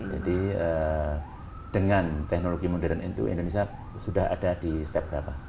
jadi dengan teknologi modern itu indonesia sudah ada di step berapa